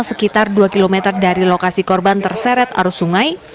sekitar dua km dari lokasi korban terseret arus sungai